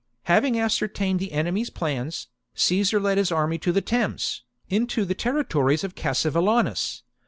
Having ascertained the enemy's plans, caesar Caesar led his army to the Thames, into the terri cSvel"'^ tories of Cassivellaunus.